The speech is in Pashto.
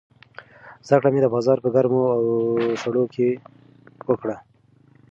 زده کړه مې د بازار په ګرمو او سړو کې وکړه.